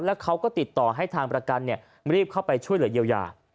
แล้วเขาก็ติดต่อให้ทางประกันรีบเข้าไปช่วยเหลือเยียวยา